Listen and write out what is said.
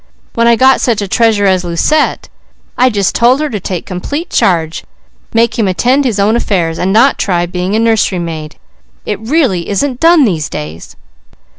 When I got such a treasure as Lucette I just told her to take complete charge, make him attend his own affairs, and not try being a nursery maid. It really isn't done these days!"